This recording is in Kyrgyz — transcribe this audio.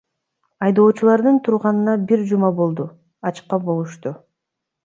Айдоочулардын турганына бир жума болду, ачка болушту.